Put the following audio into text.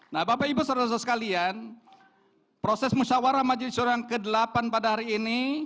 nah bapak ibu saudara saudara sekalian proses musyawarah majelis syurah yang ke delapan pada hari ini